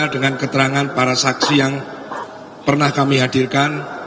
dengan keterangan para saksi yang pernah kami hadirkan